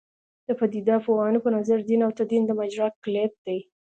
د پدیده پوهانو په نظر دین او تدین د ماجرا کُلیت دی.